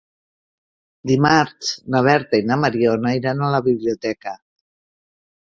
Dimarts na Berta i na Mariona iran a la biblioteca.